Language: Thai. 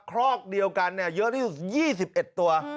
ครอกเดียวกันเยอะที่สุด๒๑ตัว